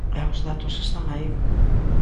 E os datos están aí.